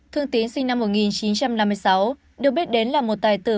thương tín sinh năm một nghìn chín trăm năm mươi sáu được biết đến là một tài tử